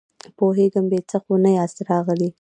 پوهېږم، بې څه خو نه ياست راغلي!